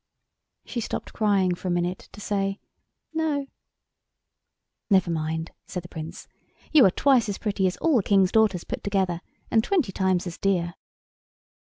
She stopped crying for a minute to say "No." "Never mind," said the Prince. "You are twice as pretty as all the Kings' daughters put together and twenty times as dear."